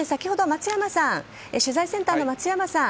取材センターの松山さん。